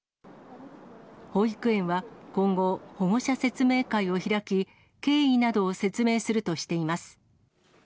保育園は今後、保護者説明会を開き、経緯などを説明するとしています。